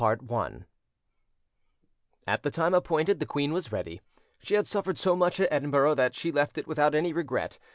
CHAPTER V At the time appointed the queen was ready: she had suffered so much at Edinburgh that she left it without any regret.